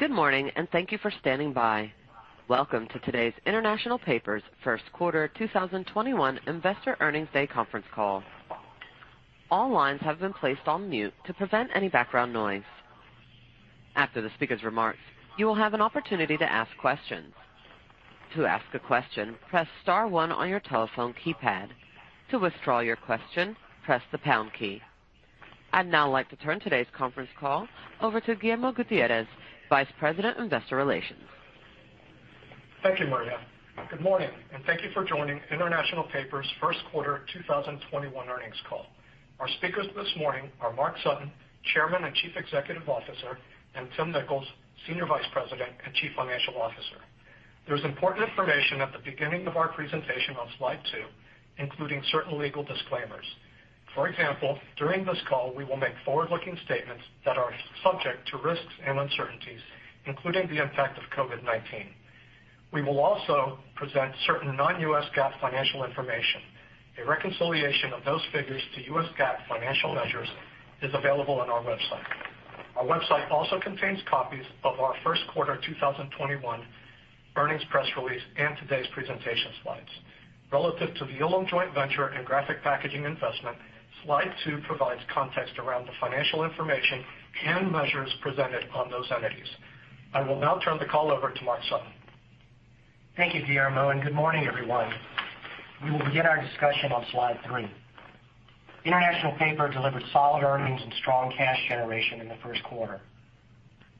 Good morning, and thank you for standing by. Welcome to today's International Paper's first quarter 2021 Investor Earnings Day conference call. All lines have been placed on mute to prevent any background noise. After the speaker's remarks, you will have an opportunity to ask questions. To ask a question, press star one on your telephone keypad. To withdraw your question, press the pound key. I'd now like to turn today's conference call over to Guillermo Gutierrez, Vice President, Investor Relations. Thank you, Maria. Good morning, and thank you for joining International Paper's first quarter 2021 earnings call. Our speakers this morning are Mark Sutton, Chairman and Chief Executive Officer, and Tim Nicholls, Senior Vice President and Chief Financial Officer. There's important information at the beginning of our presentation on slide two, including certain legal disclaimers. For example, during this call, we will make forward-looking statements that are subject to risks and uncertainties, including the impact of COVID-19. We will also present certain non-US GAAP financial information. A reconciliation of those figures to US GAAP financial measures is available on our website. Our website also contains copies of our first quarter 2021 earnings press release and today's presentation slides. Relative to the Yulong Joint Venture and Graphic Packaging investment, slide two provides context around the financial information and measures presented on those entities. I will now turn the call over to Mark Sutton. Thank you, Guillermo, and good morning, everyone. We will begin our discussion on slide three. International Paper delivered solid earnings and strong cash generation in the first quarter.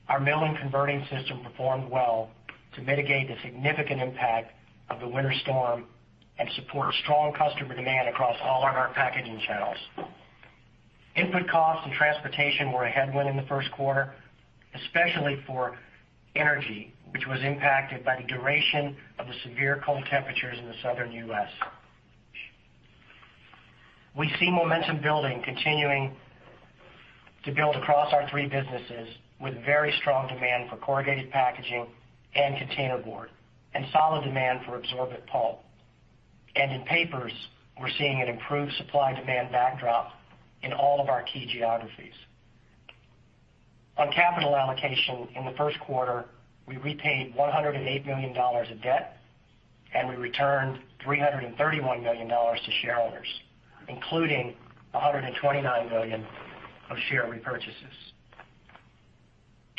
Our mill and converting system performed well to mitigate the significant impact of the winter storm and support strong customer demand across all of our packaging channels. Input costs and transportation were a headwind in the first quarter, especially for energy, which was impacted by the duration of the severe cold temperatures in the Southern U.S. We see momentum building continuing to build across our three businesses, with very strong demand for corrugated packaging and containerboard, and solid demand for absorbent pulp. In papers, we're seeing an improved supply-demand backdrop in all of our key geographies. On capital allocation in the first quarter, we repaid $108 million of debt, and we returned $331 million to shareholders, including $129 million of share repurchases.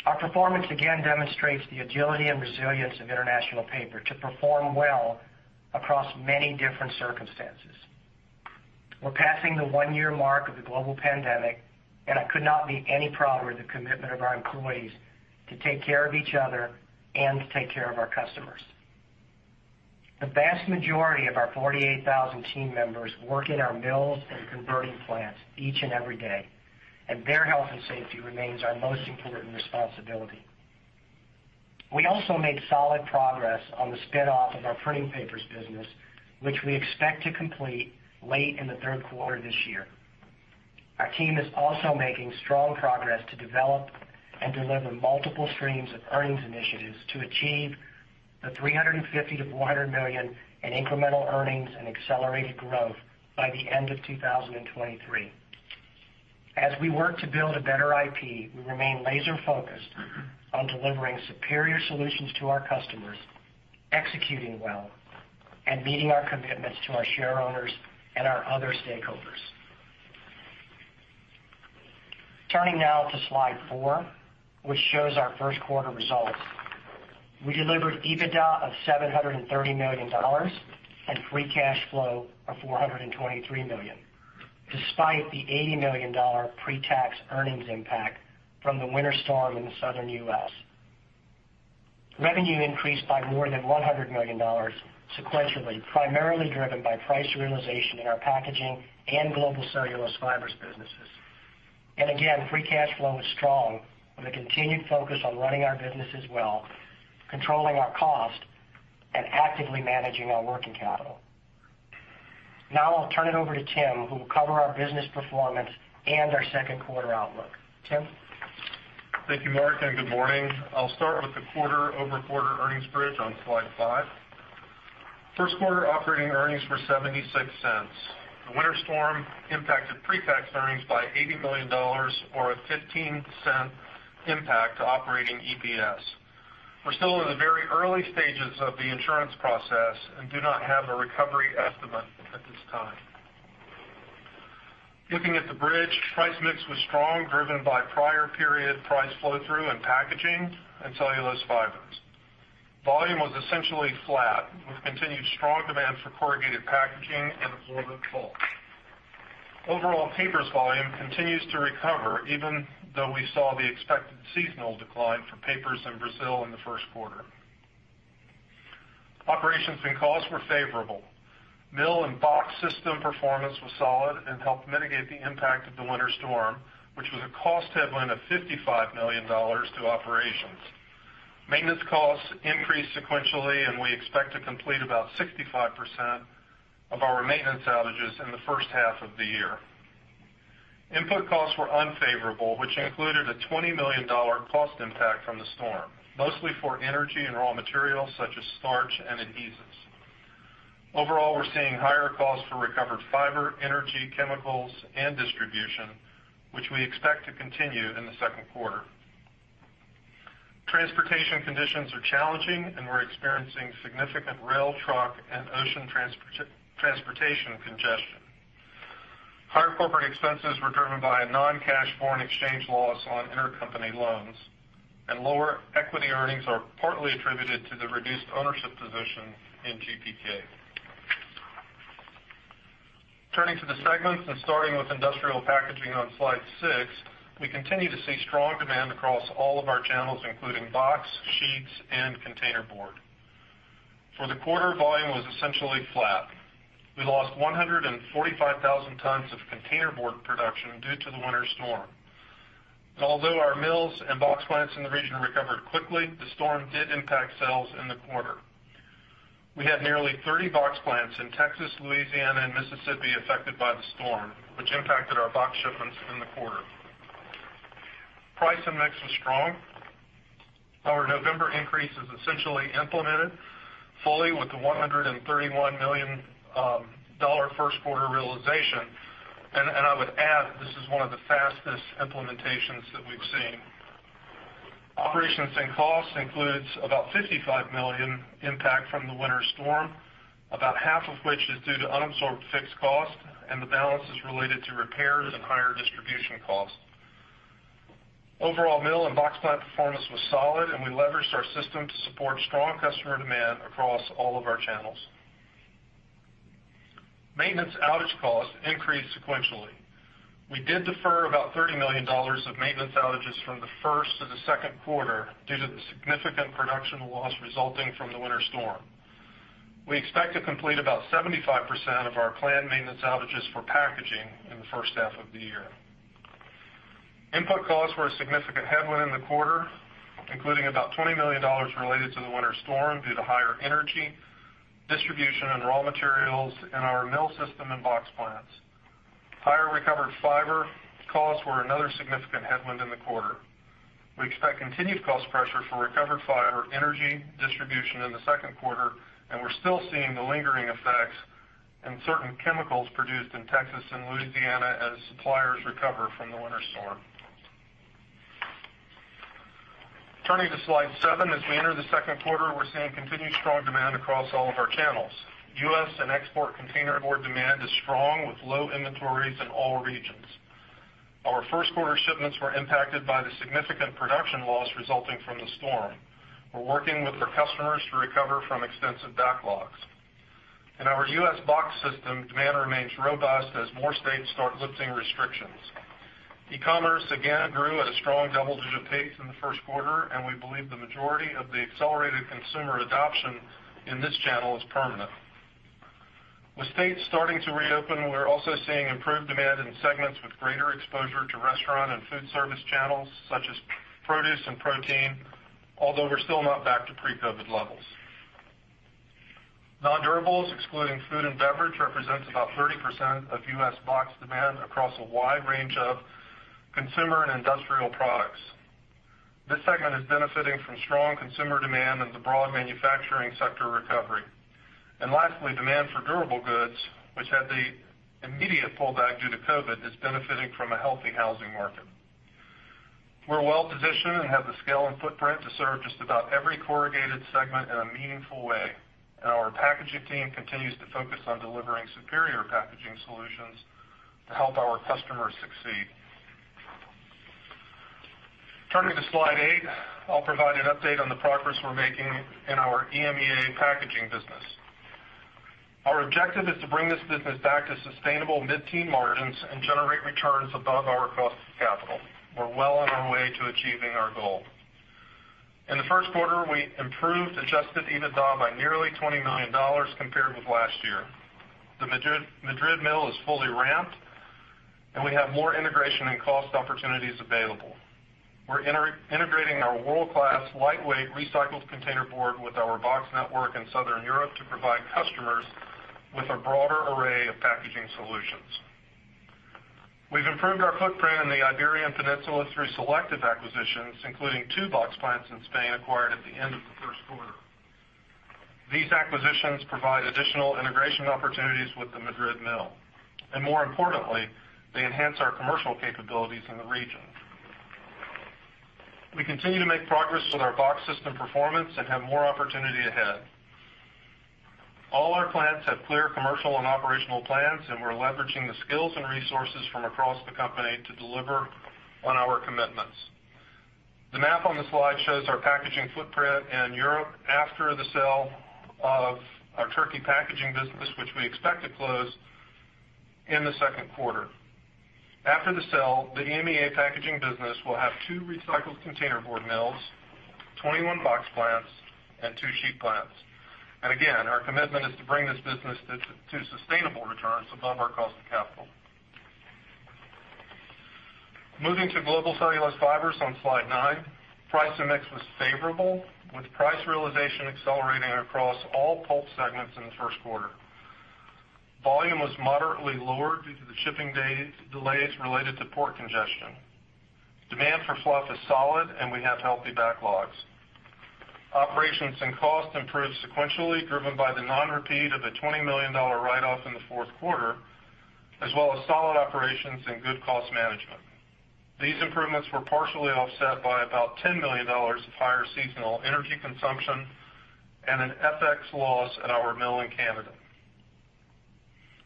Our performance again demonstrates the agility and resilience of International Paper to perform well across many different circumstances. We're passing the one-year mark of the global pandemic, and I could not be any prouder of the commitment of our employees to take care of each other and to take care of our customers. The vast majority of our 48,000 team members work in our mills and converting plants each and every day, and their health and safety remains our most important responsibility. We also made solid progress on the spin-off of our Printing Papers business, which we expect to complete late in the third quarter this year. Our team is also making strong progress to develop and deliver multiple streams of earnings initiatives to achieve the $350 million-$400 million in incremental earnings and accelerated growth by the end of 2023. As we work to build a better IP, we remain laser-focused on delivering superior solutions to our customers, executing well, and meeting our commitments to our shareowners and our other stakeholders. Turning now to slide four, which shows our first quarter results. We delivered EBITDA of $730 million and free cash flow of $423 million, despite the $80 million pre-tax earnings impact from the winter storm in the Southern U.S. Revenue increased by more than $100 million sequentially, primarily driven by price realization in our packaging and Global Cellulose Fibers businesses. Again, free cash flow is strong with a continued focus on running our businesses well, controlling our cost, and actively managing our working capital. Now I'll turn it over to Tim, who will cover our business performance and our second quarter outlook. Tim? Thank you, Mark, and good morning. I'll start with the quarter-over-quarter earnings bridge on slide five. First quarter operating earnings were $0.76. The winter storm impacted pre-tax earnings by $80 million, or a $0.15 impact to operating EPS. We're still in the very early stages of the insurance process and do not have a recovery estimate at this time. Looking at the bridge, price mix was strong, driven by prior period price flow-through in Industrial Packaging and Global Cellulose Fibers. Volume was essentially flat with continued strong demand for corrugated packaging and absorbent pulp. Overall papers volume continues to recover even though we saw the expected seasonal decline for papers in Brazil in the first quarter. Operations and costs were favorable. Mill and box system performance was solid and helped mitigate the impact of the winter storm, which was a cost headwind of $55 million to operations. Maintenance costs increased sequentially, and we expect to complete about 65% of our maintenance outages in the first half of the year. Input costs were unfavorable, which included a $20 million cost impact from the storm, mostly for energy and raw materials such as starch and adhesives. Overall, we're seeing higher costs for recovered fiber, energy, chemicals, and distribution, which we expect to continue in the second quarter. Transportation conditions are challenging, and we're experiencing significant rail, truck, and ocean transportation congestion. Higher corporate expenses were driven by a non-cash foreign exchange loss on intercompany loans, and lower equity earnings are partly attributed to the reduced ownership position in Graphic Packaging. Turning to the segments and starting with Industrial Packaging on slide six, we continue to see strong demand across all of our channels, including box, sheets, and containerboard. For the quarter, volume was essentially flat. We lost 145,000 tons of containerboard production due to the winter storm. Although our mills and box plants in the region recovered quickly, the storm did impact sales in the quarter. We had nearly 30 box plants in Texas, Louisiana, and Mississippi affected by the storm, which impacted our box shipments in the quarter. Price and mix was strong. Our November increase is essentially implemented fully with the $131 million first-quarter realization. I would add, this is one of the fastest implementations that we've seen. Operations and costs includes about $55 million impact from the winter storm, about half of which is due to unabsorbed fixed cost, and the balance is related to repairs and higher distribution costs. Overall mill and box plant performance was solid, and we leveraged our system to support strong customer demand across all of our channels. Maintenance outage costs increased sequentially. We did defer about $30 million of maintenance outages from the first to the second quarter due to the significant production loss resulting from the winter storm. We expect to complete about 75% of our planned maintenance outages for packaging in the first half of the year. Input costs were a significant headwind in the quarter, including about $20 million related to the winter storm due to higher energy, distribution, and raw materials in our mill system and box plants. Higher recovered fiber costs were another significant headwind in the quarter. We expect continued cost pressure for recovered fiber, energy, distribution in the second quarter. We're still seeing the lingering effects in certain chemicals produced in Texas and Louisiana as suppliers recover from the winter storm. Turning to slide seven. As we enter the second quarter, we're seeing continued strong demand across all of our channels. U.S. and export containerboard demand is strong with low inventories in all regions. Our first quarter shipments were impacted by the significant production loss resulting from the storm. We're working with our customers to recover from extensive backlogs. In our U.S. box system, demand remains robust as more states start lifting restrictions. E-commerce again grew at a strong double-digit pace in the first quarter, and we believe the majority of the accelerated consumer adoption in this channel is permanent. With states starting to reopen, we're also seeing improved demand in segments with greater exposure to restaurant and food service channels such as produce and protein, although we're still not back to pre-COVID levels. Nondurables, excluding food and beverage, represents about 30% of U.S. box demand across a wide range of consumer and industrial products. This segment is benefiting from strong consumer demand and the broad manufacturing sector recovery. Lastly, demand for durable goods, which had the immediate pullback due to COVID, is benefiting from a healthy housing market. We're well-positioned and have the scale and footprint to serve just about every corrugated segment in a meaningful way, and our packaging team continues to focus on delivering superior packaging solutions to help our customers succeed. Turning to slide eight, I'll provide an update on the progress we're making in our EMEA packaging business. Our objective is to bring this business back to sustainable mid-teen margins and generate returns above our cost of capital. We're well on our way to achieving our goal. In the first quarter, we improved adjusted EBITDA by nearly $20 million compared with last year. The Madrid mill is fully ramped, and we have more integration and cost opportunities available. We're integrating our world-class, lightweight recycled containerboard with our box network in Southern Europe to provide customers with a broader array of packaging solutions. We've improved our footprint in the Iberian Peninsula through selective acquisitions, including two box plants in Spain acquired at the end of the first quarter. These acquisitions provide additional integration opportunities with the Madrid mill, and more importantly, they enhance our commercial capabilities in the region. We continue to make progress with our box system performance and have more opportunity ahead. All our plants have clear commercial and operational plans, and we're leveraging the skills and resources from across the company to deliver on our commitments. The map on the slide shows our packaging footprint in Europe after the sale of our Turkey packaging business, which we expect to close in the second quarter. After the sale, the EMEA packaging business will have two recycled containerboard mills, 21 box plants, and two sheet plants. Again, our commitment is to bring this business to sustainable returns above our cost of capital. Moving to Global Cellulose Fibers on slide nine. Price mix was favorable with price realization accelerating across all pulp segments in the first quarter. Volume was moderately lower due to the shipping delays related to port congestion. Demand for fluff is solid, and we have healthy backlogs. Operations and cost improved sequentially, driven by the non-repeat of a $20 million write-off in the fourth quarter, as well as solid operations and good cost management. These improvements were partially offset by about $10 million of higher seasonal energy consumption and an FX loss at our mill in Canada.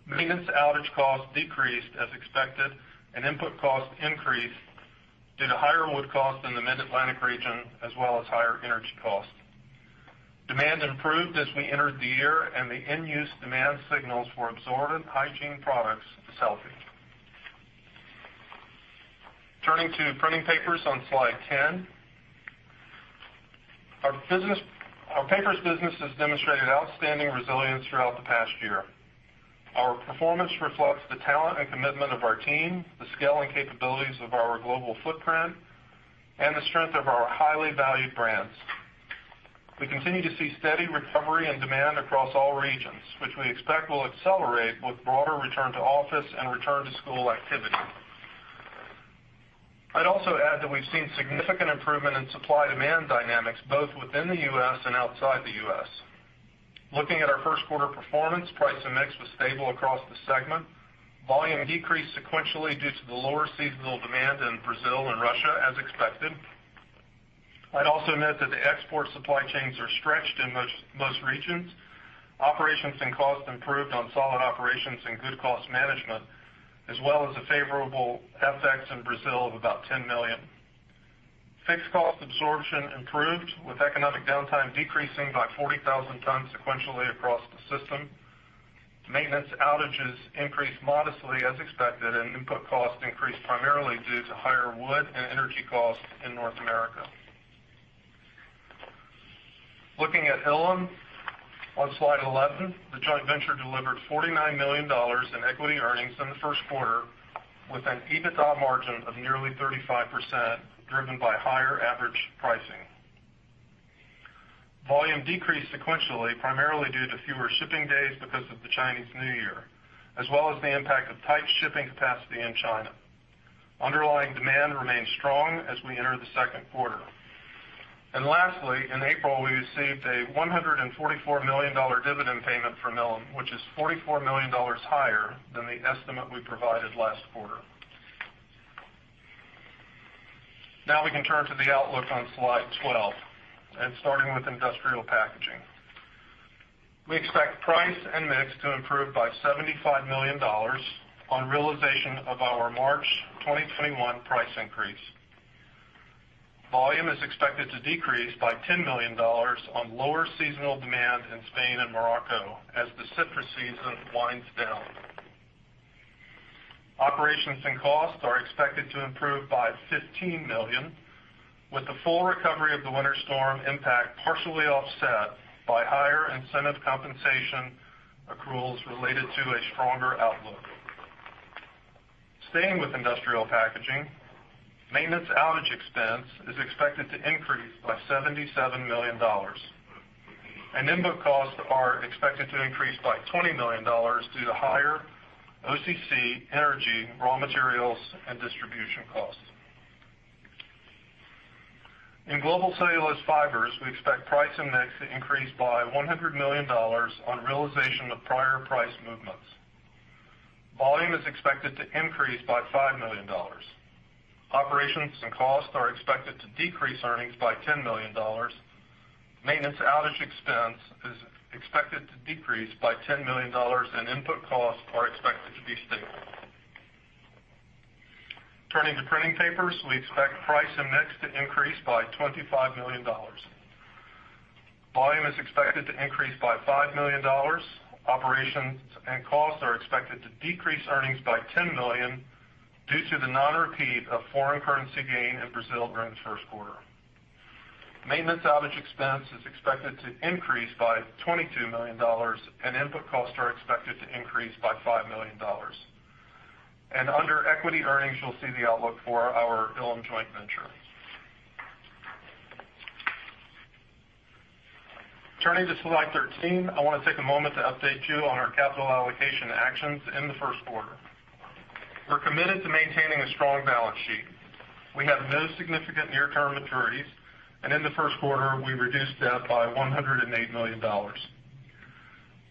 Maintenance outage costs decreased as expected, and input costs increased due to higher wood cost in the Mid-Atlantic region, as well as higher energy costs. Demand improved as we entered the year, and the end-use demand signals for absorbent hygiene products is healthy. Turning to Printing Papers on slide 10. Our Papers business has demonstrated outstanding resilience throughout the past year. Our performance reflects the talent and commitment of our team, the scale and capabilities of our global footprint, and the strength of our highly valued brands. We continue to see steady recovery and demand across all regions, which we expect will accelerate with broader return to office and return to school activity. I'd also add that we've seen significant improvement in supply-demand dynamics, both within the U.S. and outside the U.S. Looking at our first quarter performance, price and mix was stable across the segment. Volume decreased sequentially due to the lower seasonal demand in Brazil and Russia, as expected. I'd also note that the export supply chains are stretched in most regions. Operations and cost improved on solid operations and good cost management, as well as a favorable FX in Brazil of $10 million. Fixed cost absorption improved, with economic downtime decreasing by 40,000 tons sequentially across the system. Maintenance outages increased modestly as expected, and input cost increased primarily due to higher wood and energy costs in North America. Looking at Ilim on slide 11, the joint venture delivered $49 million in equity earnings in the first quarter, with an EBITDA margin of nearly 35%, driven by higher average pricing. Volume decreased sequentially, primarily due to fewer shipping days because of the Chinese New Year, as well as the impact of tight shipping capacity in China. Underlying demand remains strong as we enter the second quarter. Lastly, in April, we received a $144 million dividend payment from Ilim, which is $44 million higher than the estimate we provided last quarter. We can turn to the outlook on slide 12, starting with Industrial Packaging. We expect price and mix to improve by $75 million on realization of our March 2021 price increase. Volume is expected to decrease by $10 million on lower seasonal demand in Spain and Morocco as the citrus season winds down. Operations and costs are expected to improve by $15 million, with the full recovery of the winter storm impact partially offset by higher incentive compensation accruals related to a stronger outlook. Staying with Industrial Packaging, maintenance outage expense is expected to increase by $77 million, and input costs are expected to increase by $20 million due to higher OCC, energy, raw materials, and distribution costs. In Global Cellulose Fibers, we expect price and mix to increase by $100 million on realization of prior price movements. Volume is expected to increase by $5 million. Operations and costs are expected to decrease earnings by $10 million. Maintenance outage expense is expected to decrease by $10 million, and input costs are expected to be stable. Turning to Printing Papers, we expect price and mix to increase by $25 million. Volume is expected to increase by $5 million. Operations and costs are expected to decrease earnings by $10 million due to the non-repeat of foreign currency gain in Brazil during the first quarter. Maintenance outage expense is expected to increase by $22 million, and input costs are expected to increase by $5 million. Under equity earnings, you'll see the outlook for our Ilim joint venture. Turning to slide 13, I want to take a moment to update you on our capital allocation actions in the first quarter. We're committed to maintaining a strong balance sheet. We have no significant near-term maturities, and in the first quarter, we reduced debt by $108 million.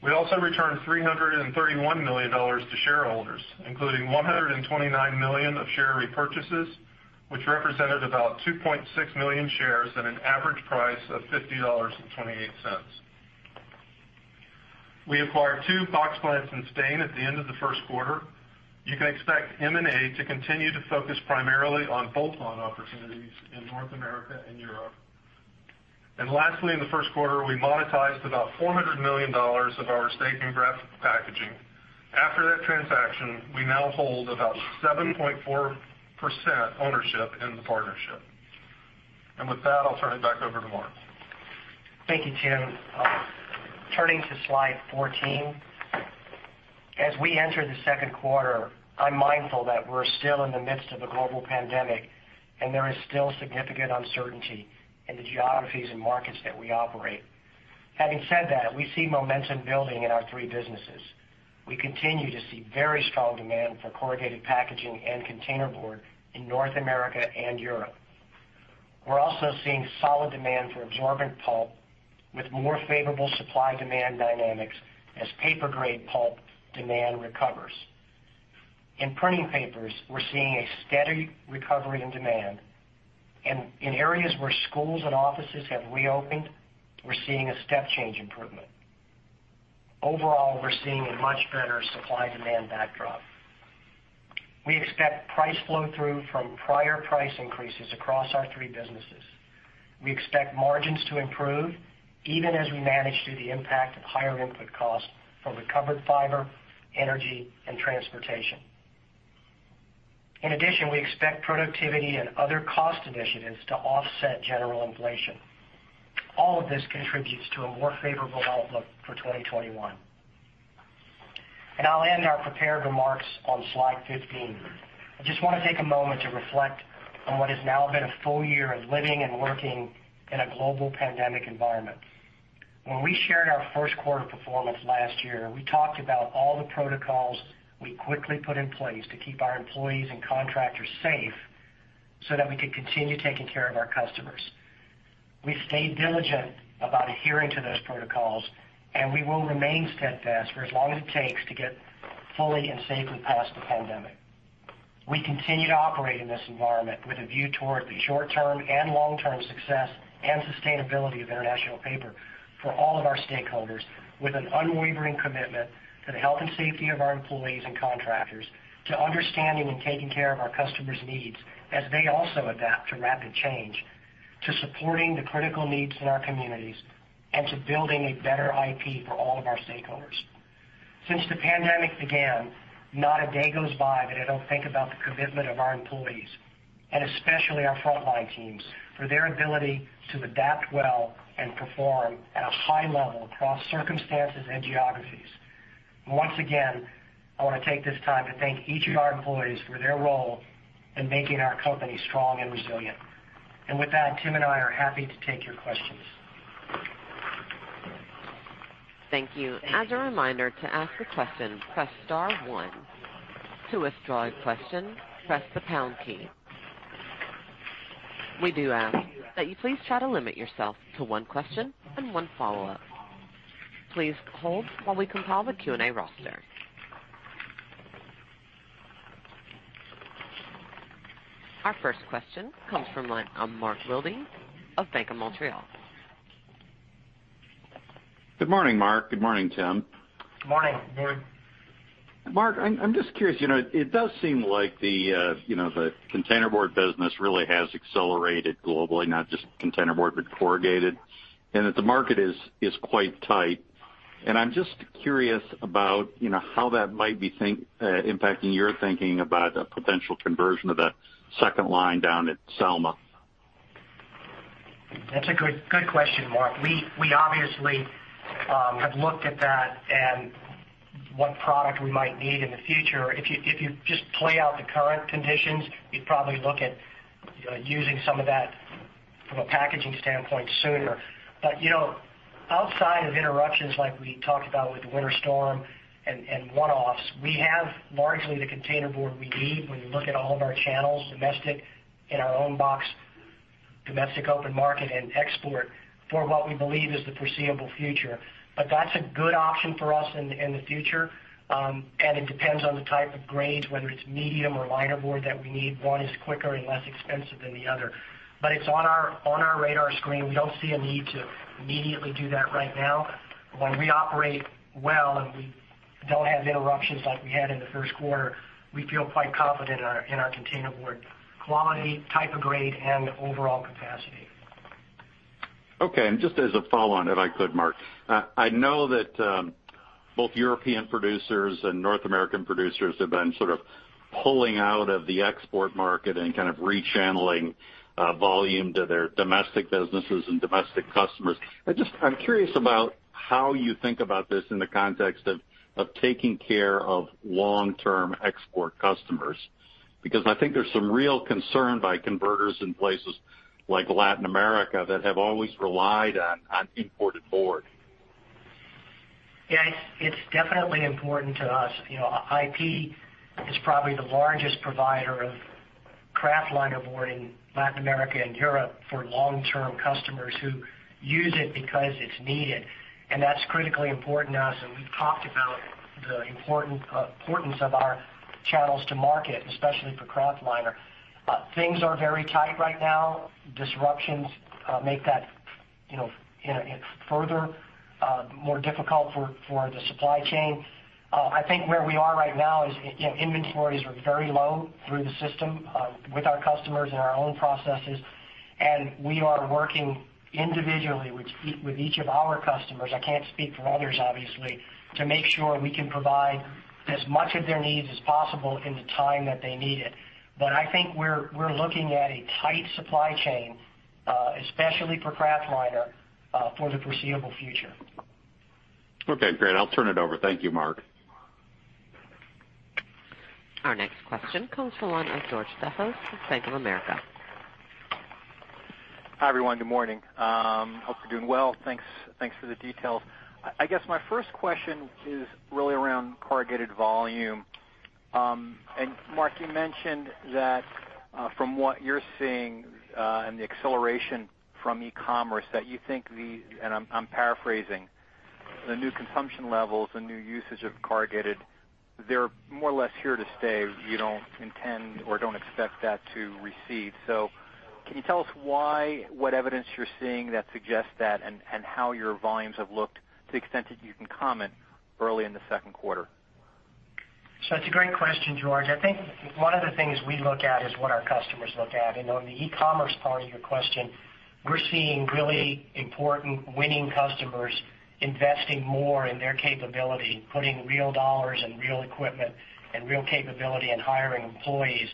We also returned $331 million to shareholders, including $129 million of share repurchases, which represented about 2.6 million shares at an average price of $50.28. We acquired two box plants in Spain at the end of the first quarter. You can expect M&A to continue to focus primarily on bolt-on opportunities in North America and Europe. Lastly, in the first quarter, we monetized about $400 million of our stake in Graphic Packaging. After that transaction, we now hold about 7.4% ownership in the partnership. With that, I'll turn it back over to Mark. Thank you, Tim. Turning to slide 14. As we enter the second quarter, I'm mindful that we're still in the midst of a global pandemic, and there is still significant uncertainty in the geographies and markets that we operate. Having said that, we see momentum building in our three businesses. We continue to see very strong demand for corrugated packaging and containerboard in North America and Europe. We're also seeing solid demand for absorbent pulp, with more favorable supply-demand dynamics as paper-grade pulp demand recovers. In Printing Papers, we're seeing a steady recovery in demand. In areas where schools and offices have reopened, we're seeing a step-change improvement. Overall, we're seeing a much better supply-demand backdrop. We expect price flow-through from prior price increases across our three businesses. We expect margins to improve even as we manage through the impact of higher input costs for recovered fiber, energy, and transportation. In addition, we expect productivity and other cost initiatives to offset general inflation. All of this contributes to a more favorable outlook for 2021. I'll end our prepared remarks on slide 15. I just want to take a moment to reflect on what has now been a full year of living and working in a global pandemic environment. When we shared our first quarter performance last year, we talked about all the protocols we quickly put in place to keep our employees and contractors safe so that we could continue taking care of our customers. We've stayed diligent about adhering to those protocols, and we will remain steadfast for as long as it takes to get fully and safely past the pandemic. We continue to operate in this environment with a view toward the short-term and long-term success and sustainability of International Paper for all of our stakeholders, with an unwavering commitment to the health and safety of our employees and contractors, to understanding and taking care of our customers' needs as they also adapt to rapid change, to supporting the critical needs in our communities, and to building a better IP for all of our stakeholders. Since the pandemic began, not a day goes by that I don't think about the commitment of our employees, and especially our frontline teams, for their ability to adapt well and perform at a high level across circumstances and geographies. Once again, I want to take this time to thank each of our employees for their role in making our company strong and resilient. With that, Tim and I are happy to take your questions. Thank you. As a reminder, to ask a question, press star one. To withdraw a question, press the pound key. We do ask that you please try to limit yourself to one question and one follow-up. Please hold while we compile the Q&A roster. Our first question comes from Mark Wilde of Bank of Montreal. Good morning, Mark. Good morning, Tim. Good morning. Mark, I'm just curious, it does seem like the containerboard business really has accelerated globally, not just containerboard, but corrugated, and that the market is quite tight. I'm just curious about how that might be impacting your thinking about a potential conversion of that second line down at Selma. That's a good question, Mark. We obviously have looked at that and what product we might need in the future. If you just play out the current conditions, you'd probably look at using some of that from a packaging standpoint sooner. Outside of interruptions like we talked about with the winter storm and one-offs, we have largely the containerboard we need when you look at all of our channels, domestic, in our own box, domestic open market, and export for what we believe is the foreseeable future. That's a good option for us in the future, and it depends on the type of grades, whether it's medium or linerboard that we need. One is quicker and less expensive than the other. It's on our radar screen. We don't see a need to immediately do that right now. When we operate well, and we don't have interruptions like we had in the first quarter, we feel quite confident in our containerboard quality, type of grade, and overall capacity. Okay, just as a follow-on, if I could, Mark. I know that both European producers and North American producers have been sort of pulling out of the export market and kind of rechanneling volume to their domestic businesses and domestic customers. I'm curious about how you think about this in the context of taking care of long-term export customers, because I think there's some real concern by converters in places like Latin America that have always relied on imported board. Yeah, it's definitely important to us. IP is probably the largest provider of kraftliner board in Latin America and Europe for long-term customers who use it because it's needed, and that's critically important to us, and we've talked about the importance of our channels to market, especially for kraftliner. Things are very tight right now. Disruptions make that further more difficult for the supply chain. I think where we are right now is inventories are very low through the system with our customers and our own processes, and we are working individually with each of our customers, I can't speak for others, obviously, to make sure we can provide as much of their needs as possible in the time that they need it. But I think we're looking at a tight supply chain, especially for kraftliner, for the foreseeable future. Okay, great. I'll turn it over. Thank you, Mark. Our next question comes from the line of George Staphos from Bank of America. Hi, everyone. Good morning. Hope you're doing well. Thanks for the details. I guess my first question is really around corrugated volume. Mark, you mentioned that from what you're seeing, and the acceleration from e-commerce, that you think the, and I'm paraphrasing, the new consumption levels, the new usage of corrugated, they're more or less here to stay. You don't intend or don't expect that to recede. Can you tell us why, what evidence you're seeing that suggests that, and how your volumes have looked to the extent that you can comment early in the second quarter? It's a great question, George. I think one of the things we look at is what our customers look at. On the e-commerce part of your question, we're seeing really important winning customers investing more in their capability, putting real dollars and real equipment and real capability and hiring employees.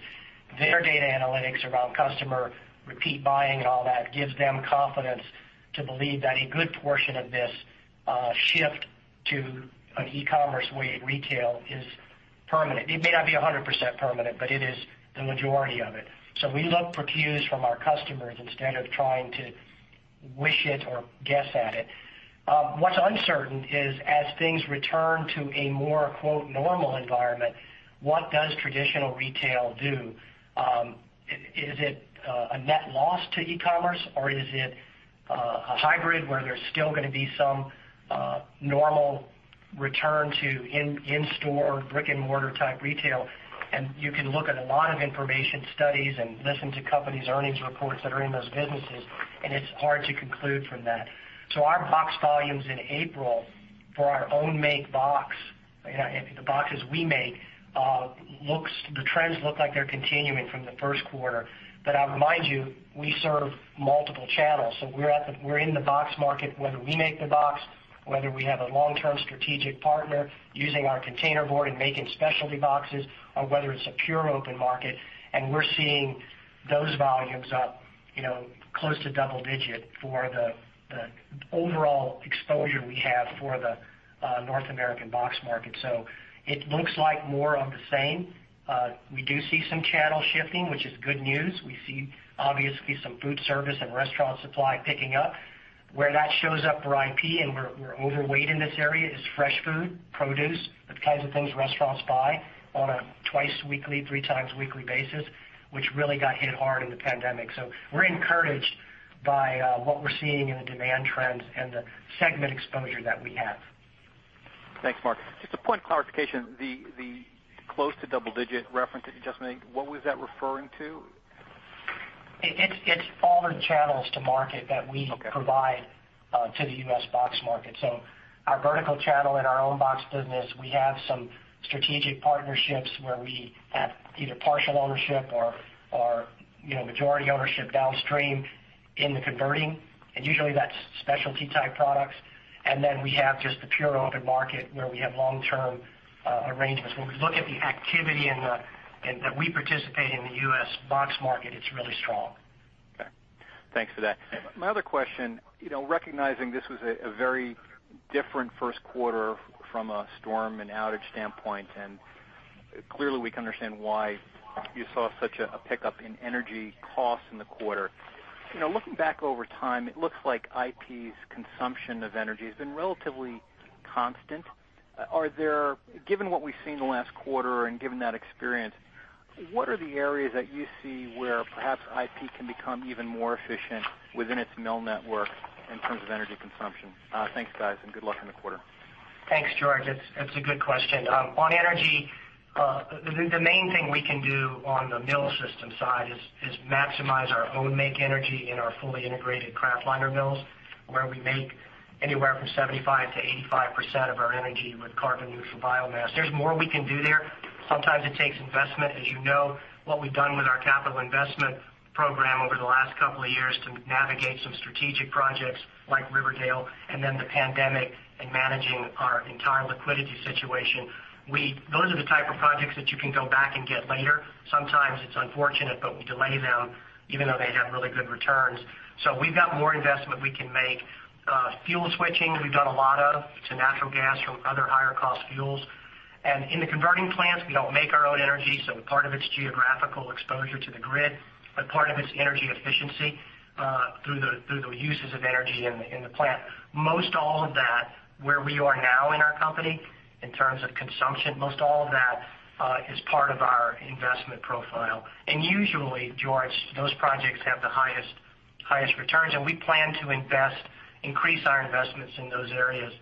Their data analytics around customer repeat buying and all that gives them confidence to believe that a good portion of this shift to an e-commerce way of retail is permanent. It may not be 100% permanent, but it is the majority of it. We look for cues from our customers instead of trying to wish it or guess at it. What's uncertain is as things return to a more, quote, "normal environment," what does traditional retail do? Is it a net loss to e-commerce, or is it a hybrid where there's still going to be some normal return to in-store brick-and-mortar type retail? You can look at a lot of information studies and listen to companies' earnings reports that are in those businesses, and it's hard to conclude from that. Our box volumes in April for our own make box, the boxes we make, the trends look like they're continuing from the first quarter. I'll remind you, we serve multiple channels. We're in the box market, whether we make the box, whether we have a long-term strategic partner using our containerboard and making specialty boxes, or whether it's a pure open market. We're seeing those volumes up close to double digit for the overall exposure we have for the North American box market. It looks like more of the same. We do see some channel shifting, which is good news. We see obviously some food service and restaurant supply picking up. Where that shows up for IP, and we're overweight in this area, is fresh food, produce, the kinds of things restaurants buy on a twice weekly, three times weekly basis, which really got hit hard in the pandemic. We're encouraged by what we're seeing in the demand trends and the segment exposure that we have. Thanks, Mark. Just a point of clarification, the close to double-digit reference that you just made, what was that referring to? It's all the channels to market that we- Okay. Provide to the U.S. box market. Our vertical channel in our own box business, we have some strategic partnerships where we have either partial ownership or majority ownership downstream in the converting, and usually that's specialty type products. We have just the pure open market where we have long-term arrangements. When we look at the activity that we participate in the U.S. box market, it's really strong. Okay. Thanks for that. My other question, recognizing this was a very different first quarter from a storm and outage standpoint, and clearly we can understand why you saw such a pickup in energy costs in the quarter. Looking back over time, it looks like IP's consumption of energy has been relatively constant. Given what we've seen in the last quarter and given that experience, what are the areas that you see where perhaps IP can become even more efficient within its mill network in terms of energy consumption? Thanks, guys, and good luck in the quarter. Thanks, George. It's a good question. On energy, the main thing we can do on the mill system side is maximize our own make energy in our fully integrated kraftliner mills, where we make anywhere from 75%-85% of our energy with carbon neutral biomass. There's more we can do there. Sometimes it takes investment. As you know, what we've done with our capital investment program over the last couple of years to navigate some strategic projects like Riverdale and then the pandemic and managing our entire liquidity situation, those are the type of projects that you can go back and get later. Sometimes it's unfortunate, but we delay them even though they have really good returns. We've got more investment we can make. Fuel switching, we've done a lot of to natural gas from other higher cost fuels. In the converting plants, we don't make our own energy. Part of it's geographical exposure to the grid, but part of it's energy efficiency through the uses of energy in the plant. Most all of that, where we are now in our company in terms of consumption, most all of that is part of our investment profile. Usually, George, those projects have the highest returns. We plan to invest, increase our investments in those areas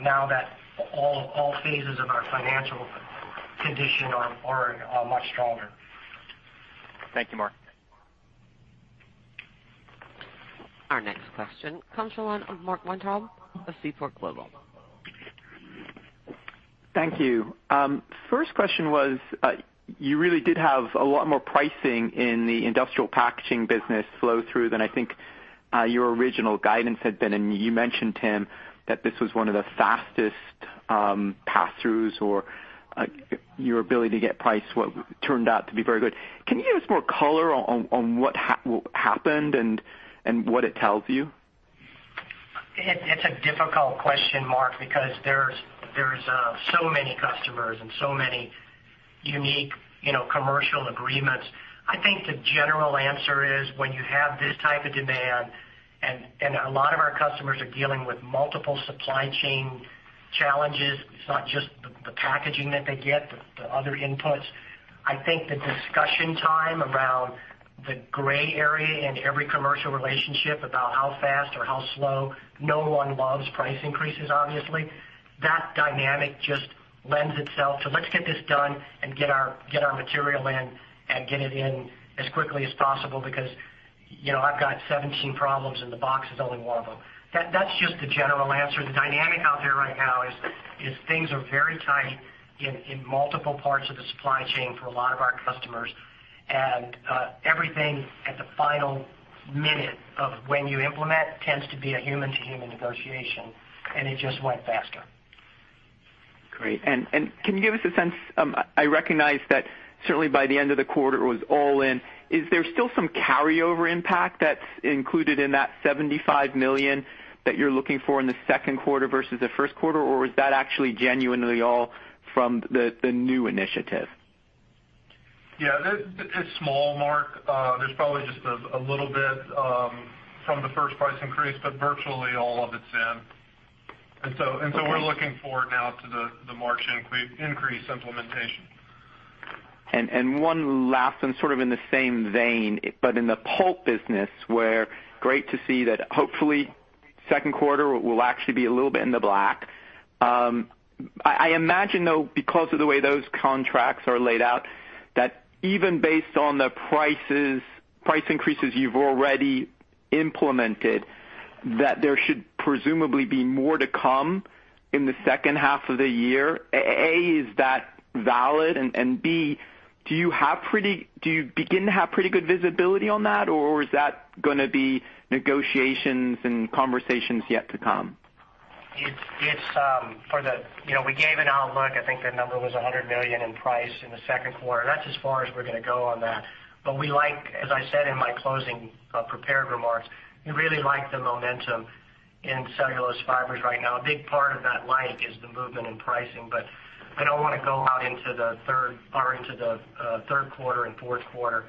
now that all phases of our financial condition are much stronger. Thank you, Mark. Our next question comes from the line of Mark Weintraub of Seaport Global. Thank you. First question was, you really did have a lot more pricing in the Industrial Packaging business flow through than I think your original guidance had been. You mentioned, Tim, that this was one of the fastest pass-throughs or your ability to get price turned out to be very good. Can you give us more color on what happened and what it tells you? It's a difficult question, Mark, because there's so many customers and so many unique commercial agreements. I think the general answer is when you have this type of demand, and a lot of our customers are dealing with multiple supply chain challenges, it's not just the packaging that they get, the other inputs. I think the discussion time around the gray area in every commercial relationship about how fast or how slow, no one loves price increases, obviously. That dynamic just lends itself to let's get this done and get our material in, and get it in as quickly as possible because I've got 17 problems and the box is only one of them. That's just the general answer. The dynamic out there right now is things are very tight in multiple parts of the supply chain for a lot of our customers. Everything at the final minute of when you implement tends to be a human-to-human negotiation, and it just went faster. Great. Can you give us a sense, I recognize that certainly by the end of the quarter it was all in. Is there still some carryover impact that's included in that $75 million that you're looking for in the second quarter versus the first quarter, or was that actually genuinely all from the new initiative? Yeah, it's small, Mark. There's probably just a little bit from the first price increase, but virtually all of it's in. We're looking forward now to the March increase implementation. One last one sort of in the same vein, but in the pulp business, where great to see that hopefully second quarter will actually be a little bit in the black. I imagine, though, because of the way those contracts are laid out, that even based on the price increases you've already implemented, that there should presumably be more to come in the second half of the year. A, is that valid? B, do you begin to have pretty good visibility on that, or is that going to be negotiations and conversations yet to come? We gave an outlook, I think the number was $100 million in price in the second quarter. That's as far as we're going to go on that. As I said in my closing prepared remarks, we really like the momentum in Global Cellulose Fibers right now. A big part of that like is the movement in pricing, but I don't want to go out into the third quarter and fourth quarter.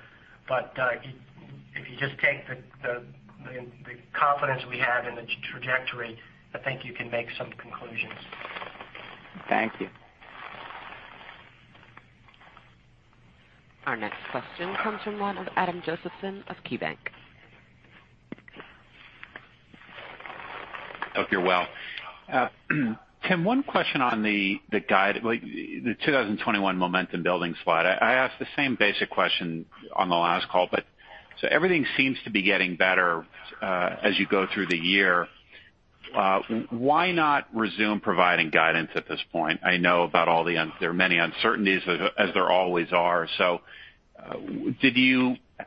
If you just take the confidence we have in the trajectory, I think you can make some conclusions. Thank you. Our next question comes from the line of Adam Josephson of KeyBank. Hope you're well. Tim, one question on the guide, the 2021 momentum building slide. Everything seems to be getting better as you go through the year. Why not resume providing guidance at this point? I know there are many uncertainties, as there always are.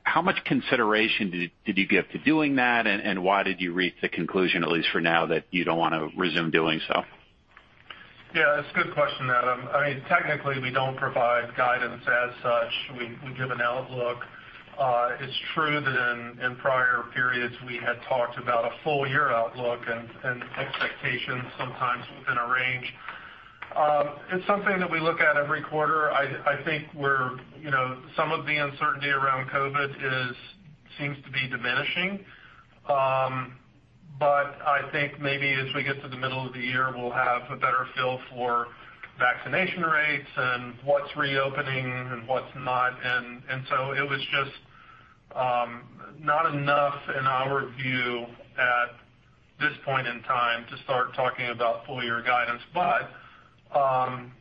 How much consideration did you give to doing that, and why did you reach the conclusion, at least for now, that you don't want to resume doing so? Yeah. It's a good question, Adam. Technically, we don't provide guidance as such. We give an outlook. It's true that in prior periods, we had talked about a full-year outlook and expectations sometimes within a range. It's something that we look at every quarter. I think some of the uncertainty around COVID seems to be diminishing. I think maybe as we get to the middle of the year, we'll have a better feel for vaccination rates and what's reopening and what's not. It was just not enough in our view at this point in time to start talking about full-year guidance.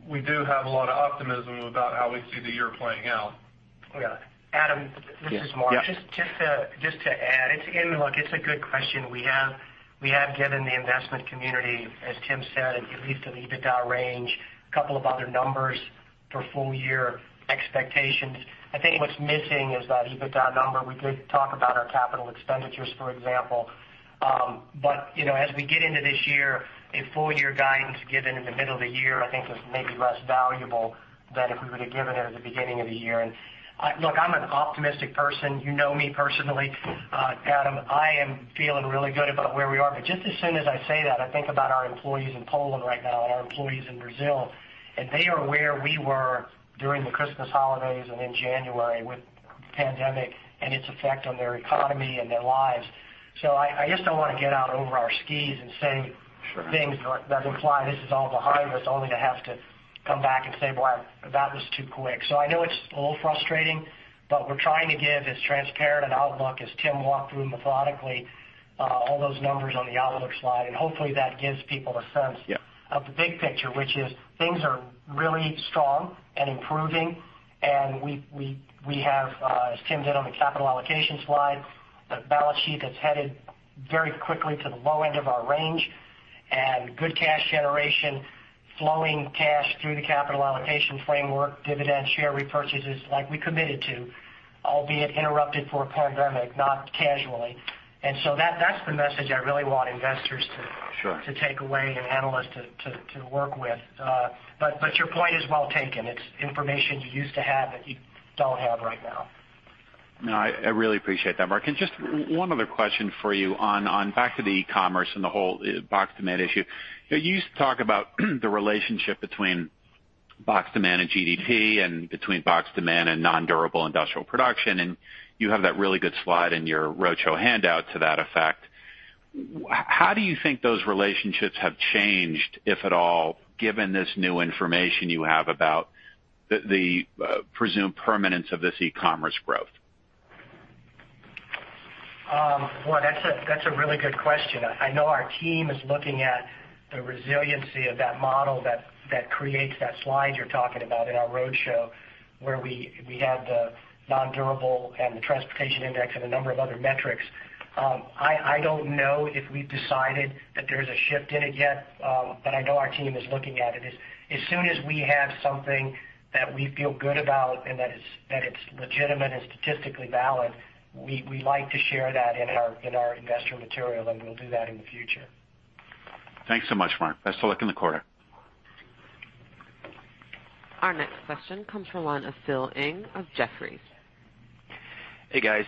We do have a lot of optimism about how we see the year playing out. Yeah. Adam. Yeah. This is Mark. Just to add, look, it's a good question. We have given the investment community, as Tim said, at least an EBITDA range, a couple of other numbers for full-year expectations. I think what's missing is that EBITDA number. We could talk about our capital expenditures, for example. As we get into this year, a full-year guidance given in the middle of the year, I think is maybe less valuable than if we would've given it at the beginning of the year. Look, I'm an optimistic person. You know me personally, Adam. I am feeling really good about where we are. Just as soon as I say that, I think about our employees in Poland right now and our employees in Brazil, and they are where we were during the Christmas holidays and in January with the pandemic and its effect on their economy and their lives. I just don't want to get out over our skis and say- Sure Things that imply this is all behind us, only to have to come back and say, "Well, that was too quick." I know it's a little frustrating, but we're trying to give as transparent an outlook as Tim walked through methodically, all those numbers on the outlook slide. Hopefully, that gives people a sense- Yeah Of the big picture, which is things are really strong and improving, and we have, as Tim Nicholls did on the capital allocation slide, the balance sheet is headed very quickly to the low end of our range, and good cash generation, flowing cash through the capital allocation framework, dividend share repurchases like we committed to, albeit interrupted for a pandemic, not casually. That's the message I really want investors to- Sure Take away and analysts to work with. Your point is well taken. It's information you used to have that you don't have right now. No, I really appreciate that, Mark. Just one other question for you on back to the e-commerce and the whole box demand issue. You used to talk about the relationship between box demand and GDP and between box demand and nondurable industrial production, and you have that really good slide in your roadshow handout to that effect. How do you think those relationships have changed, if at all, given this new information you have about the presumed permanence of this e-commerce growth? Well, that's a really good question. I know our team is looking at the resiliency of that model that creates that slide you're talking about in our roadshow, where we had the nondurable and the transportation index and a number of other metrics. I don't know if we've decided that there's a shift in it yet, but I know our team is looking at it. As soon as we have something that we feel good about and that it's legitimate and statistically valid, we like to share that in our investor material, and we'll do that in the future. Thanks so much, Mark. Best of luck in the quarter. Our next question comes from the line of Philip Ng of Jefferies. Hey, guys.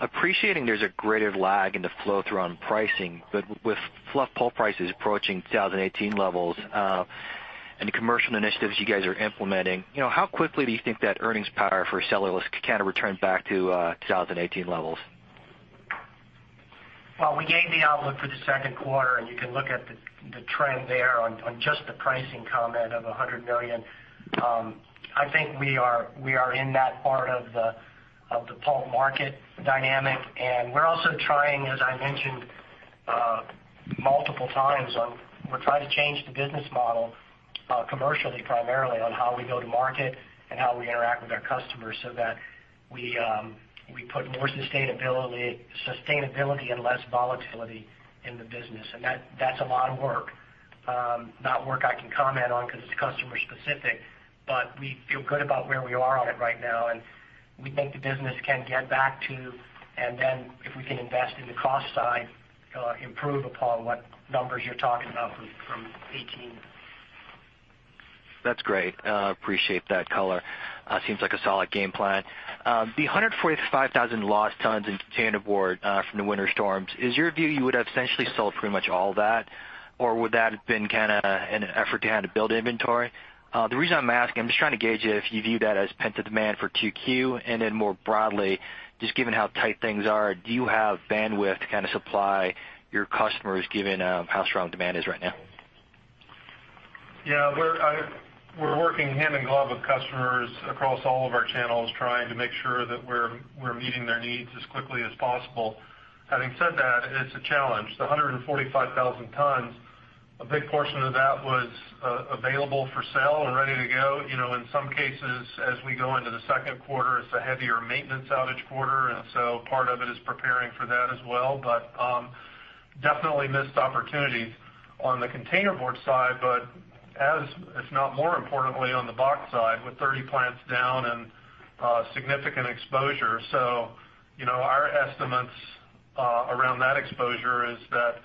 Appreciating there's a greater lag in the flow-through on pricing, but with fluff pulp prices approaching 2018 levels, and the commercial initiatives you guys are implementing, how quickly do you think that earnings power for cellulose can return back to 2018 levels? We gave the outlook for the second quarter, and you can look at the trend there on just the pricing comment of $100 million. I think we are in that part of the pulp market dynamic, and we're also trying, as I mentioned multiple times, we're trying to change the business model commercially primarily on how we go to market and how we interact with our customers so that we put more sustainability and less volatility in the business. That's a lot of work. Not work I can comment on because it's customer specific, but we feel good about where we are on it right now, and we think the business can get back to, and then if we can invest in the cost side, improve upon what numbers you're talking about from 2018. That's great. Appreciate that color. Seems like a solid game plan. The 145,000 lost tons in containerboard from the winter storms, is your view you would have essentially sold pretty much all that? Or would that have been kind of an effort to kind of build inventory? The reason I'm asking, I'm just trying to gauge if you view that as pent-up demand for 2Q, and then more broadly, just given how tight things are, do you have bandwidth to kind of supply your customers given how strong demand is right now? Yeah, we're working hand in glove with customers across all of our channels trying to make sure that we're meeting their needs as quickly as possible. Having said that, it's a challenge. The 145,000 tons, a big portion of that was available for sale and ready to go. In some cases, as we go into the second quarter, it's a heavier maintenance outage quarter, part of it is preparing for that as well. Definitely missed opportunities on the containerboard side, but as if not more importantly on the box side with 30 plants down and significant exposure. Our estimates around that exposure is that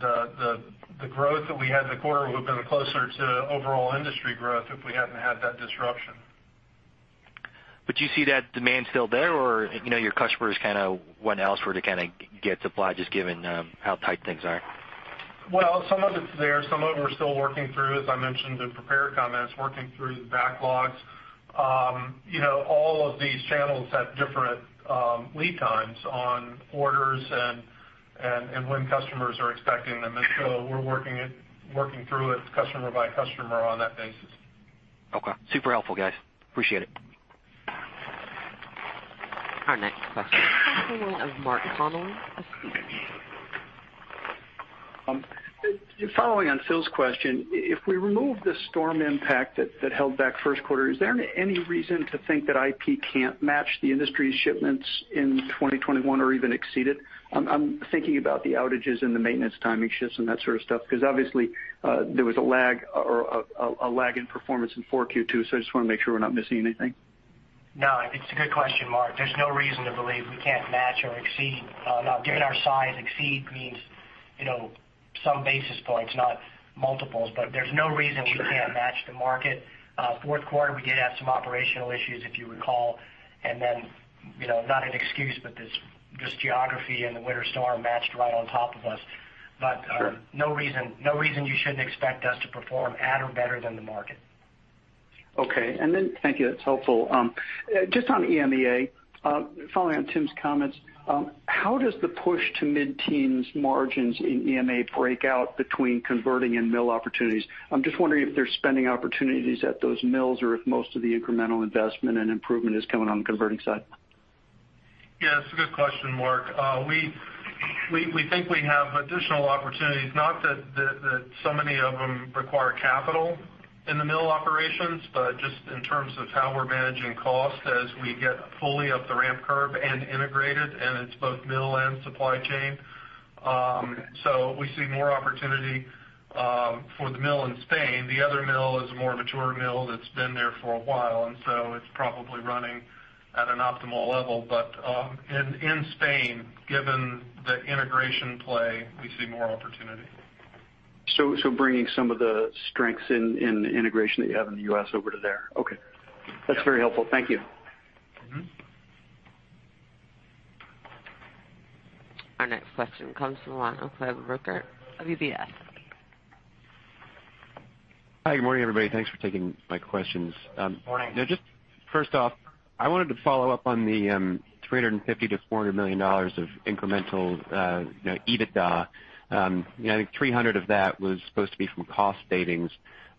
the growth that we had in the quarter would have been closer to overall industry growth if we hadn't had that disruption. Do you see that demand still there, or your customers kind of went elsewhere to kind of get supply just given how tight things are? Well, some of it's there. Some of it we're still working through, as I mentioned in prepared comments, working through the backlogs. All of these channels have different lead times on orders and when customers are expecting them, and so we're working through it customer by customer on that basis. Okay. Super helpful, guys. Appreciate it. Our next question comes from the line of Mark Connelly of Stephens. Following on Phil's question, if we remove the storm impact that held back first quarter, is there any reason to think that IP can't match the industry's shipments in 2021 or even exceed it? I'm thinking about the outages and the maintenance timing shifts and that sort of stuff, because obviously there was a lag in performance in 4Q too. I just want to make sure we're not missing anything. No, it's a good question, Mark. There's no reason to believe we can't match or exceed. Now, given our size, exceed means some basis points, not multiples- Sure There's no reason we can't match the market. Fourth quarter, we did have some operational issues, if you recall, not an excuse, this geography and the winter storm matched right on top of us. Sure. No reason you shouldn't expect us to perform at or better than the market. Okay. Thank you. That's helpful. Just on EMEA, following on Tim's comments, how does the push to mid-teens margins in EMEA break out between converting and mill opportunities? I'm just wondering if there's spending opportunities at those mills or if most of the incremental investment and improvement is coming on the converting side. Yeah, it's a good question, Mark. We think we have additional opportunities, not that so many of them require capital in the mill operations, but just in terms of how we're managing cost as we get fully up the ramp curve and integrated, and it's both mill and supply chain. We see more opportunity for the mill in Spain. The other mill is more of a tour mill that's been there for a while, and so it's probably running at an optimal level. In Spain, given the integration play, we see more opportunity. Bringing some of the strengths in integration that you have in the U.S. over to there. Okay. That's very helpful. Thank you. Our next question comes from the line of Cleveland Rueckert of UBS. Hi. Good morning, everybody. Thanks for taking my questions. Morning. Now just first off, I wanted to follow up on the $350 million-$400 million of incremental EBITDA. I think $300 million of that was supposed to be from cost savings.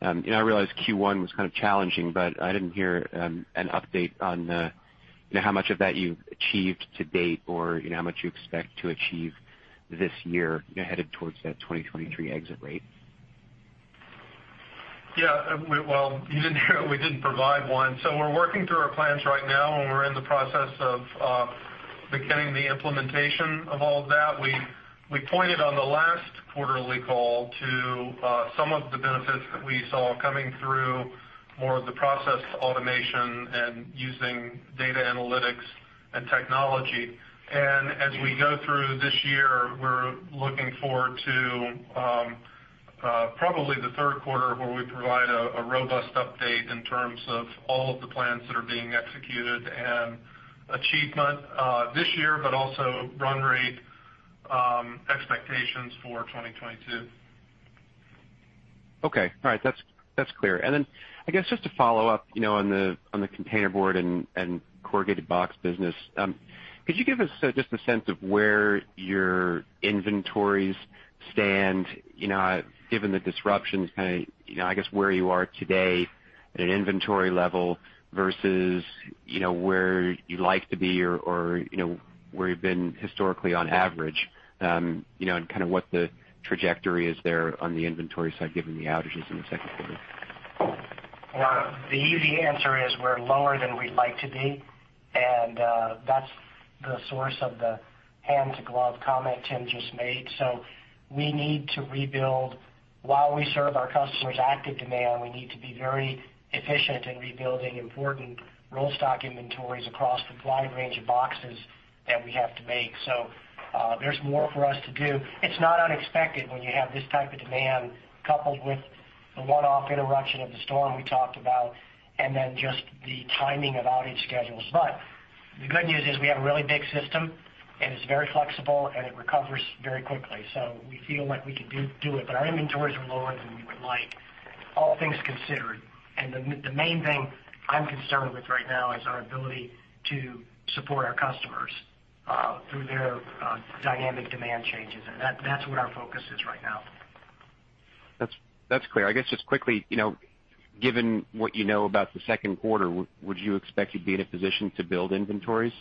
I realize Q1 was kind of challenging, but I didn't hear an update on how much of that you've achieved to date or how much you expect to achieve this year headed towards that 2023 exit rate. Yeah. Well, we didn't provide one. We're working through our plans right now, and we're in the process of beginning the implementation of all of that. We pointed on the last quarterly call to some of the benefits that we saw coming through more of the process automation and using data analytics and technology. As we go through this year, we're looking forward to probably the third quarter, where we provide a robust update in terms of all of the plans that are being executed and achievement this year, but also run rate expectations for 2022. Okay. All right. That's clear. I guess just to follow up on the containerboard and corrugated box business. Could you give us just a sense of where your inventories stand given the disruptions kind of, I guess, where you are today at an inventory level versus where you'd like to be or where you've been historically on average, and kind of what the trajectory is there on the inventory side, given the outages in the second quarter? The easy answer is we're lower than we'd like to be, and that's the source of the hand-to-glove comment Tim just made. We need to rebuild. While we serve our customers' active demand, we need to be very efficient in rebuilding important roll stock inventories across the wide range of boxes that we have to make. There's more for us to do. It's not unexpected when you have this type of demand coupled with the one-off interruption of the storm we talked about, and then just the timing of outage schedules. The good news is we have a really big system, and it's very flexible, and it recovers very quickly. We feel like we could do it, but our inventories are lower than we would like, all things considered. The main thing I'm concerned with right now is our ability to support our customers through their dynamic demand changes. That's where our focus is right now. That's clear. I guess just quickly, given what you know about the second quarter, would you expect you'd be in a position to build inventories?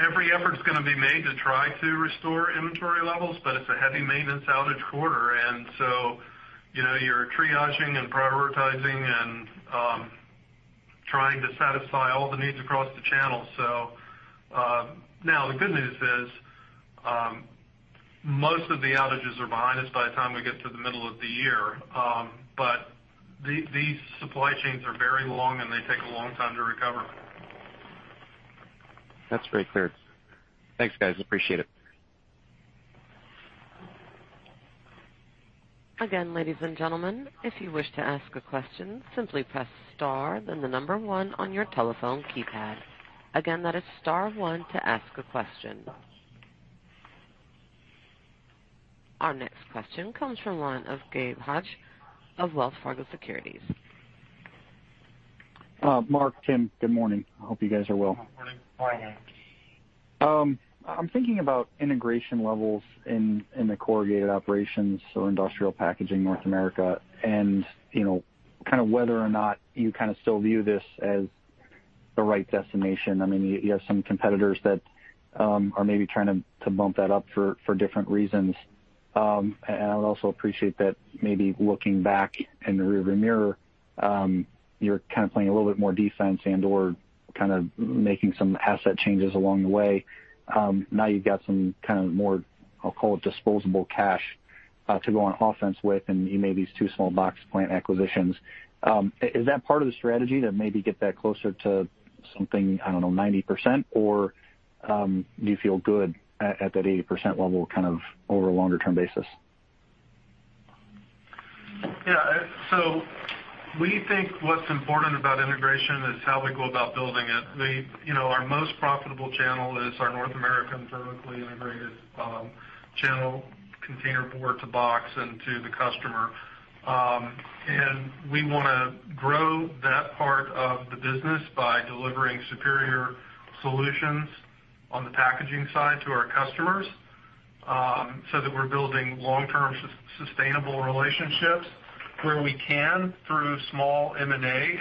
Every effort's going to be made to try to restore inventory levels, it's a heavy maintenance outage quarter, you're triaging and prioritizing and trying to satisfy all the needs across the channel. Now the good news is most of the outages are behind us by the time we get to the middle of the year. These supply chains are very long, and they take a long time to recover. That's very clear. Thanks, guys, appreciate it. Again, ladies and gentlemen, if you wish to ask a question, simply press star then the number one on your telephone keypad. Again, that is star one to ask a question. Our next question comes from the line of Gabe Hajde of Wells Fargo Securities. Mark, Tim, good morning. I hope you guys are well. Morning. Morning. I'm thinking about integration levels in the corrugated operations or Industrial Packaging North America, and kind of whether or not you kind of still view this as the right destination. I would also appreciate that maybe looking back in the rear view mirror, you're kind of playing a little bit more defense and/or kind of making some asset changes along the way. Now you've got some kind of more, I'll call it disposable cash, to go on offense with, and you made these two small box plant acquisitions. Is that part of the strategy to maybe get that closer to something, I don't know, 90% or do you feel good at that 80% level kind of over a longer-term basis? Yeah. We think what's important about integration is how we go about building it. Our most profitable channel is our North American vertically integrated channel, containerboard to box and to the customer. We want to grow that part of the business by delivering superior solutions on the packaging side to our customers so that we're building long-term sustainable relationships where we can through small M&A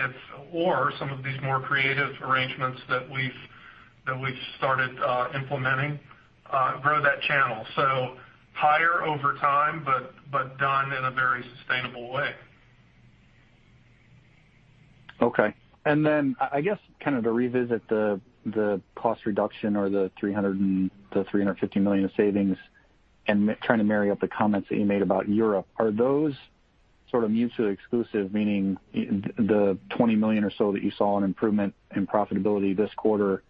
or some of these more creative arrangements that we've started implementing, grow that channel. Higher over time, but done in a very sustainable way. Okay. I guess kind of to revisit the cost reduction or the $350 million of savings and trying to marry up the comments that you made about Europe. Are those sort of mutually exclusive, meaning the $20 million or so that you saw in improvement in profitability this quarter,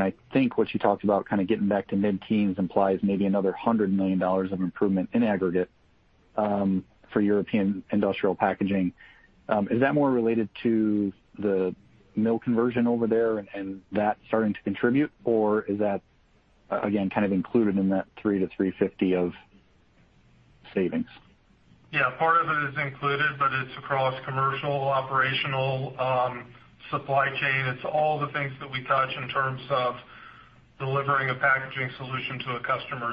and I think what you talked about, kind of getting back to mid-teens implies maybe another $100 million of improvement in aggregate for European Industrial Packaging. Is that more related to the mill conversion over there and that starting to contribute? Is that, again, kind of included in that $300 million-$350 million of savings? Yeah. Part of it is included, but it's across commercial, operational, supply chain. It's all the things that we touch in terms of delivering a packaging solution to a customer.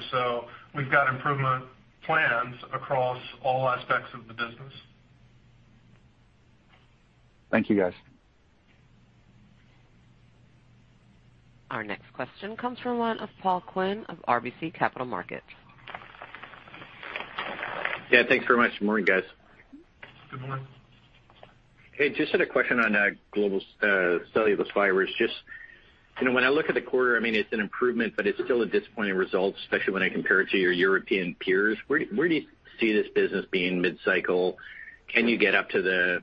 We've got improvement plans across all aspects of the business. Thank you, guys. Our next question comes from the line of Paul Quinn of RBC Capital Markets. Yeah, thanks very much. Good morning, guys. Good morning. Hey, just had a question on Global Cellulose Fibers. Just, when I look at the quarter, I mean, it's an improvement, but it's still a disappointing result, especially when I compare it to your European peers. Where do you see this business being mid-cycle? Can you get up to the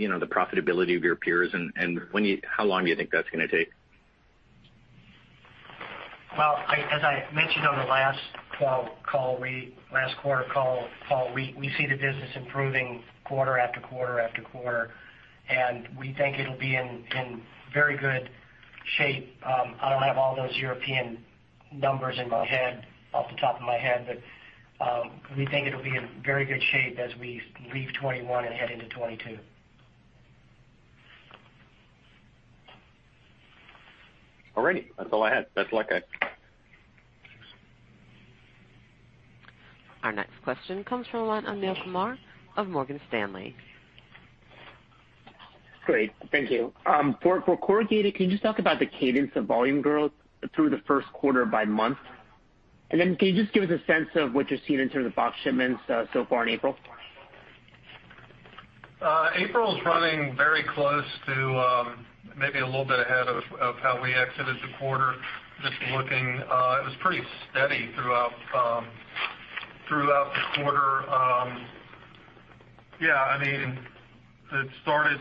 profitability of your peers? How long do you think that's going to take? Well, as I mentioned on the last quarter call, Paul, we see the business improving quarter, after quarter, after quarter, and we think it'll be in very good shape. I don't have all those European numbers in my head, off the top of my head, but we think it'll be in very good shape as we leave 2021 and head into 2022. All right. That's all I had. Best of luck, guys. Our next question comes from the line of Neel Kumar of Morgan Stanley. Great. Thank you. For corrugated, can you just talk about the cadence of volume growth through the first quarter by month? Can you just give us a sense of what you're seeing in terms of box shipments so far in April? April is running very close to maybe a little bit ahead of how we exited the quarter. Just looking, it was pretty steady throughout the quarter. Yeah, it started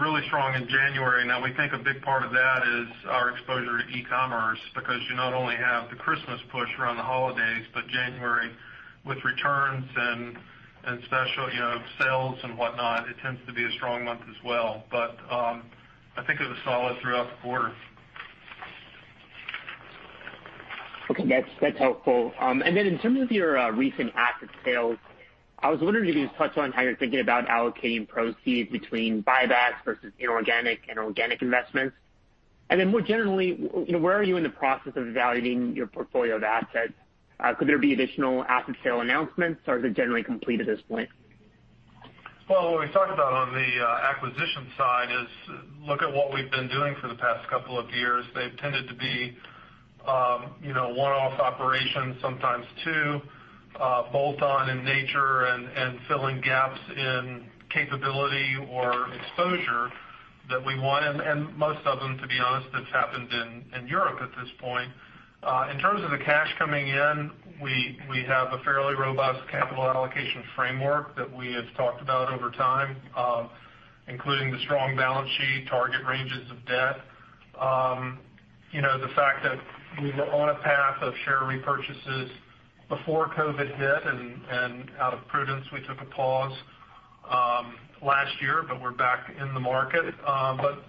really strong in January. Now we think a big part of that is our exposure to e-commerce because you not only have the Christmas push around the holidays, but January with returns and special sales and whatnot, it tends to be a strong month as well. I think it was solid throughout the quarter. Okay. That's helpful. In terms of your recent asset sales, I was wondering if you could just touch on how you're thinking about allocating proceeds between buybacks versus inorganic and organic investments. More generally, where are you in the process of evaluating your portfolio of assets? Could there be additional asset sale announcements or is it generally complete at this point? Well, what we talked about on the acquisition side is look at what we've been doing for the past couple of years. They've tended to be one-off operations, sometimes two, bolt-on in nature, and filling gaps in capability or exposure that we want, and most of them, to be honest, that's happened in Europe at this point. In terms of the cash coming in, we have a fairly robust capital allocation framework that we have talked about over time, including the strong balance sheet, target ranges of debt. The fact that we were on a path of share repurchases before COVID hit. Out of prudence, we took a pause last year. We're back in the market.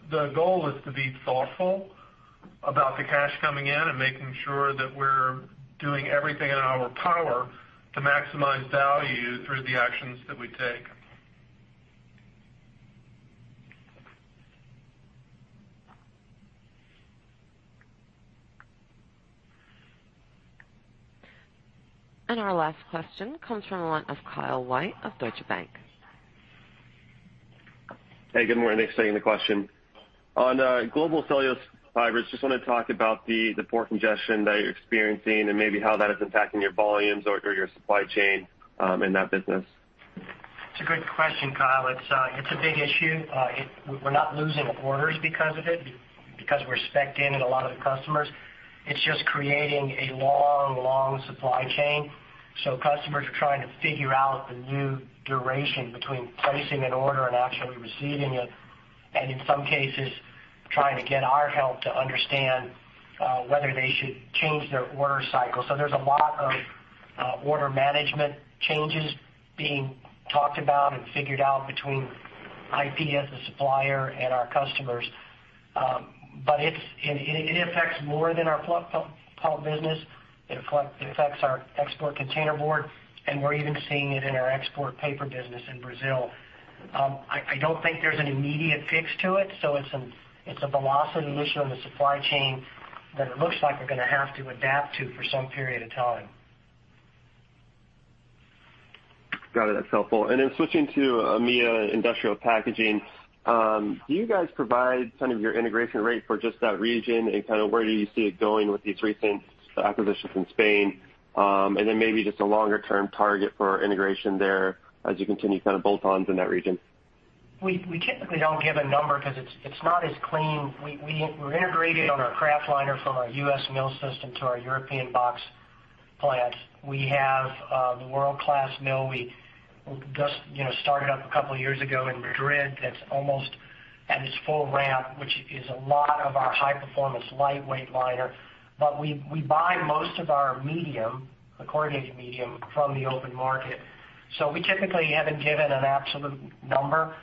The goal is to be thoughtful about the cash coming in and making sure that we're doing everything in our power to maximize value through the actions that we take. Our last question comes from the line of Kyle White of Deutsche Bank. Hey, good morning. Thanks for taking the question. On Global Cellulose Fibers, just want to talk about the port congestion that you're experiencing and maybe how that is impacting your volumes or your supply chain in that business. It's a good question, Kyle. It's a big issue. We're not losing orders because of it, because we're spec'd in in a lot of the customers. It's just creating a long, long supply chain. Customers are trying to figure out the new duration between placing an order and actually receiving it, and in some cases, trying to get our help to understand whether they should change their order cycle. There's a lot of order management changes being talked about and figured out between IP as a supplier and our customers. It affects more than our pulp business. It affects our export containerboard, and we're even seeing it in our export paper business in Brazil. I don't think there's an immediate fix to it, so it's a velocity issue in the supply chain that it looks like we're going to have to adapt to for some period of time. Got it. That's helpful. Switching to EMEA Industrial Packaging, do you guys provide kind of your integration rate for just that region and kind of where do you see it going with these recent acquisitions in Spain? Maybe just a longer-term target for integration there as you continue kind of bolt-ons in that region. We typically don't give a number because it's not as clean. We're integrated on our kraftliner from our U.S. mill system to our European box plants. We have the world-class mill we just started up a couple of years ago in Madrid that's almost at its full ramp, which is a lot of our high-performance lightweight liner. We buy most of our medium, the corrugated medium, from the open market. We typically haven't given an absolute number.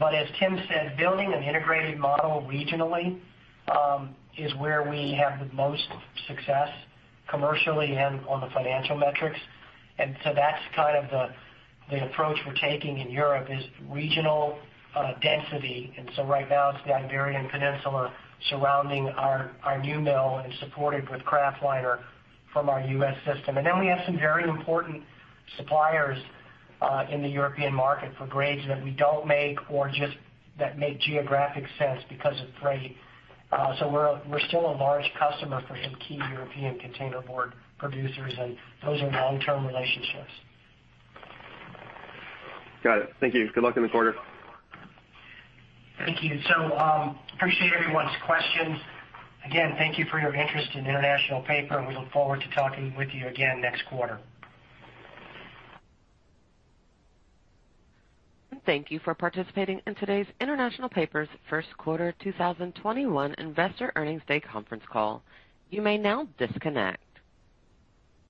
As Tim said, building an integrated model regionally is where we have the most success commercially and on the financial metrics. That's kind of the approach we're taking in Europe is regional density. Right now it's the Iberian Peninsula surrounding our new mill and supported with kraftliner from our U.S. system. We have some very important suppliers in the European market for grades that we don't make or just that make geographic sense because of freight. We're still a large customer for some key European containerboard producers, and those are long-term relationships. Got it. Thank you. Good luck in the quarter. Thank you. Appreciate everyone's questions. Again, thank you for your interest in International Paper, and we look forward to talking with you again next quarter. Thank you for participating in today's International Paper's first quarter 2021 Investor Earnings Day Conference Call. You may now disconnect.